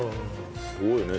すごいね。